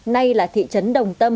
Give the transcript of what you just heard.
nay là thị trấn đồng tâm